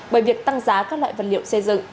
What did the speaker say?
bởi việc tăng giá các loại vật liệu xây dựng